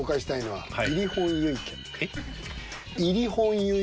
はい。